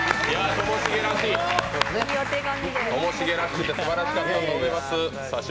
ともしげらしくてすばらしかったと思います。